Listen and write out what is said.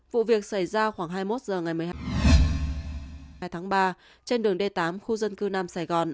vụ việc xảy ra khoảng hai mươi một h ngày một mươi hai tháng ba trên đường d tám khu dân cư nam sài gòn